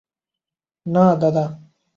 না, দাদা।